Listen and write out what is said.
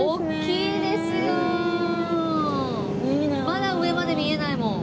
まだ上まで見えないもん。